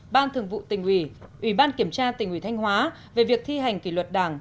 ban thường vụ tỉnh ủy ủy ban kiểm tra tỉnh ủy thanh hóa về việc thi hành kỷ luật đảng